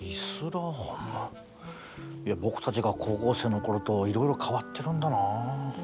僕たちが高校生の頃といろいろ変わってるんだな。